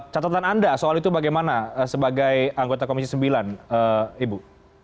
catatan anda soal itu bagaimana sebagai anggota komisi sembilan ibu